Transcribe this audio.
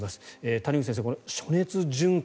谷口先生、暑熱順化